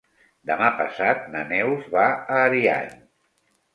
Demà passat na Neus va a Ariany.